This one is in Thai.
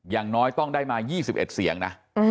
อย่างน้อยต้องได้มา๒๑เสียงนะ